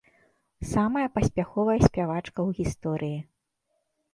Самая паспяховая спявачка ў гісторыі.